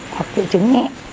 hoặc triệu chứng nhẹ